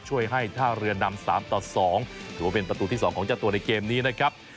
ช่วยให้ท่าเรือนำ๓ต่อ๒ถือว่าเป็นประตูที่๒ของเจ้าตัวในเกมนี้นะครับ